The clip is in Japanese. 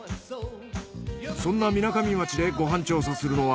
そんなみなかみ町でご飯調査するのは。